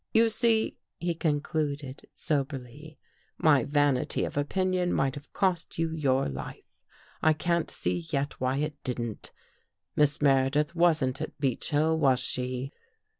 You see," he concluded soberly, " my vanity of opinion might have cost you your life. I can't see yet why it didn't. Miss Meredith wasn't at Beech Hill, was she?